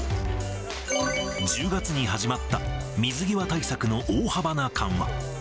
１０月に始まった水際対策の大幅な緩和。